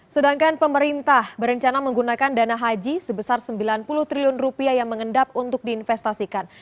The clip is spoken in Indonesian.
sedangkan pemerintah berencana menggunakan dana haji sebesar sembilan puluh triliun rupiah yang mengendap untuk diinvestasikan